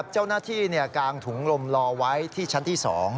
เจ้าหน้าที่กางถุงลมรอไว้ที่ชั้นที่๒